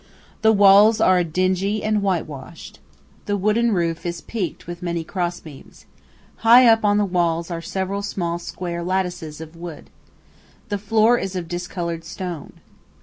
The walls are dingy and whitewashed. The wooden roof is peaked, with many cross beams. High up on the walls are several small square lattices of wood. The floor is of discolored stone.